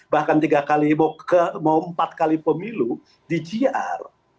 bahkan tiga kali mau empat kali pemilu di gr